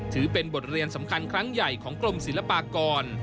ถือเป็นบทเรียนสำคัญครั้งใหญ่ของกรมศิลปากร